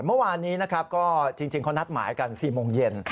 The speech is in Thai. เมื่อวานนี้จริงเขานัดหมายกัน๔โมงเย็น